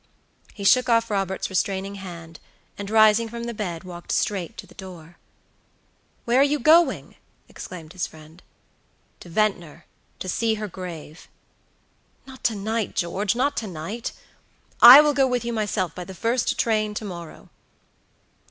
He shook off Robert's restraining hand, and rising from the bed, walked straight to the door. "Where are you going?" exclaimed his friend. "To Ventnor, to see her grave." "Not to night, George, not to night. I will go with you myself by the first train to morrow."